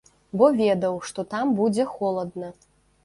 Бо ведаў, што там будзе холадна.